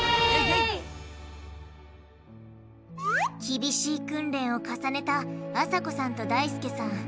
厳しい訓練を重ねたあさこさんとだいすけさん。